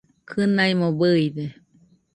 Kɨnaimo bɨide